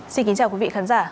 xin kính chào quý vị khán giả